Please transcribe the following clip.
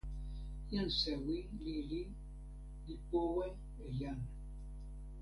jan sewi lili li powe e jan.